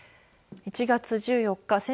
１月１４日